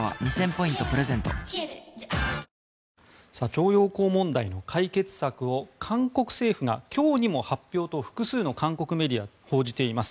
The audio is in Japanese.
徴用工問題の解決策を韓国政府が今日にも発表と複数の韓国メディアが報じています。